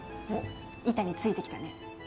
板についてきたね。